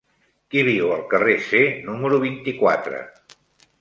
Qui viu al carrer C número vint-i-quatre?